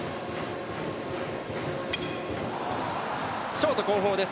ショート後方です。